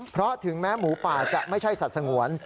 เพราะถึงแม้หมูป่าจะไม่ใช่สัตว์สงวน